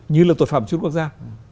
như là tội phạm chút quốc gia